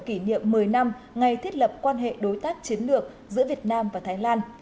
kỷ niệm một mươi năm ngày thiết lập quan hệ đối tác chiến lược giữa việt nam và thái lan